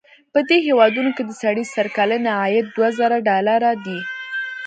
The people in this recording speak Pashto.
په دې هېوادونو کې د سړي سر کلنی عاید دوه زره ډالره دی.